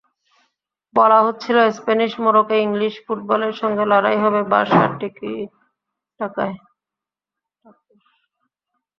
বলা হচ্ছিল, স্প্যানিশ মোড়কে ইংলিশ ফুটবলের সঙ্গে লড়াই হবে বার্সার টিকিটাকার।